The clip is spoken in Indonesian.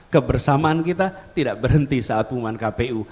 kebersamaan kita tidak berhenti saat pengumuman kpu